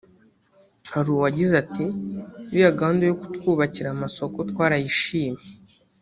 Hari uwagize ati “Iriya gahunda yo kutwubakira amasoko twarayishimye